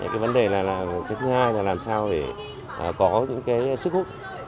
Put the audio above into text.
cái vấn đề thứ hai là làm sao để có những cái sức hút